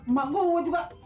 mak gua juga